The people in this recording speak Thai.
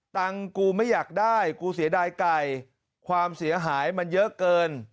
กูไม่อยากได้กูเสียดายไก่ความเสียหายมันเยอะเกิน